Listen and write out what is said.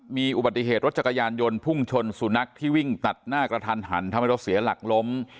มีอุบัติเหตุรถจักรยานยนต์พุ่งชนสุนัขที่วิ่งตัดหน้ากระทันหันทำให้รถเสียหลักล้ม